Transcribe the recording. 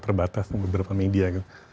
terbatas beberapa media